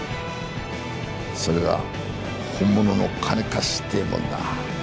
それが本物の金貸しっていうもんだ。